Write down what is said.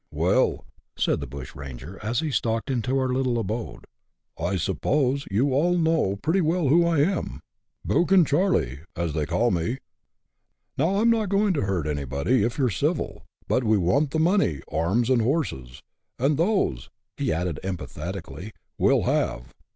*' Well," said the bushranger, as he stalked into our little 38 BUSH LIFE IN AUSTRALIA. [chap. iv. abode, " I suppose you all know pretty well who I am, ' Buchan Charley,' as they call me. Now I 'm not going to hurt anybody, if you 're civil ; but we want the money, arms, and horses ; and those," he added emphatically, " we '11 have.